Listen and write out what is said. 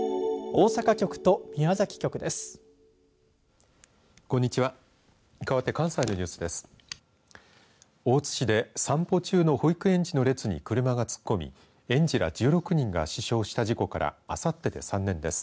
大津市で散歩中の保育園児の列に車が突っ込み園児ら１６人が死傷した事故からあさってで３年です。